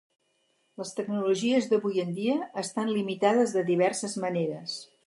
Les tecnologies d'avui en dia estan limitats de diverses maneres.